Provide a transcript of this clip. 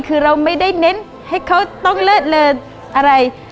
คือเราไม่ได้เน้นให้เขาต้องเลิศเลออะไร